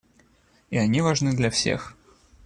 И они важны для всех.